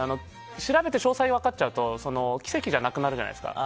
調べて詳細分かっちゃうと奇跡じゃなくなるじゃないですか。